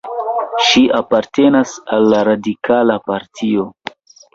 Ŝi apartenas al la radikala partio.